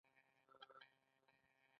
دا پانګه له ثابتې او متغیرې پانګې څخه جوړېږي